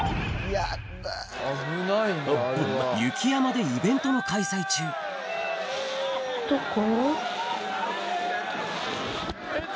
雪山でイベントの開催中どこ？